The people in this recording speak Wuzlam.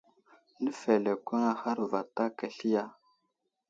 Nəfelekweŋ ahar vatak asli ya ?